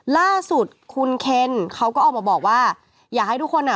ล่าสุดคุณเคนเขาก็ออกมาบอกว่าอยากให้ทุกคนอ่ะ